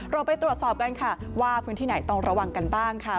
เราไปตรวจสอบกันค่ะว่าพื้นที่ไหนต้องระวังกันบ้างค่ะ